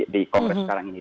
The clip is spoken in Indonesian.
di kongres sekarang ini